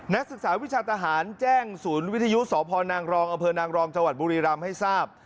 นักศึกษาวิชาตาหารแจ้งศูนย์วิทยุสพนอนจบุรีรัมป์ให้ทราบ